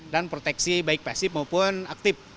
proteksi baik pasif maupun aktif